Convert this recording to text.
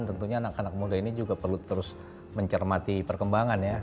tentunya anak anak muda ini juga perlu terus mencermati perkembangan ya